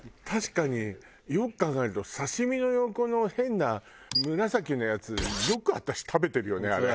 確かによく考えると刺し身の横の変な紫のやつよく私食べてるよねあれ。